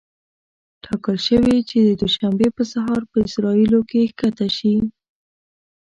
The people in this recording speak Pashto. ټاکل شوې چې د دوشنبې په سهار په اسرائیلو کې ښکته شي.